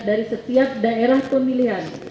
dari setiap daerah pemilihan